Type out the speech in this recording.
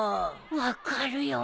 分かるよ。